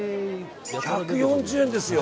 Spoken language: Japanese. １４０円ですよ。